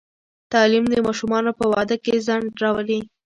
تعلیم د ماشومانو په واده کې ځنډ راولي.